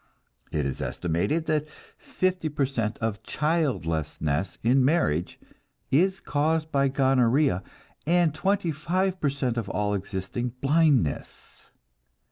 It is estimated that fifty per cent of childlessness in marriage is caused by gonorrhea, and twenty five per cent of all existing blindness.